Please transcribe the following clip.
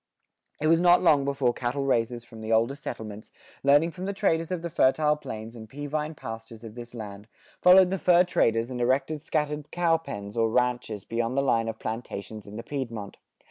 It was not long before cattle raisers from the older settlements, learning from the traders of the fertile plains and peavine pastures of this land, followed the fur traders and erected scattered "cow pens" or ranches beyond the line of plantations in the Piedmont.